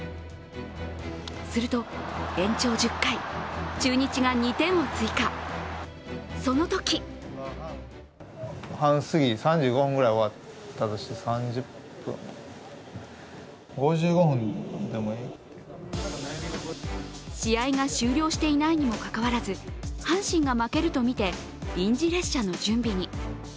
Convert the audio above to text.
すると、延長１０回中日が２点を追加、そのとき試合が終了していないにもかかわらず阪神が負けるとみて、臨時列車の準備に。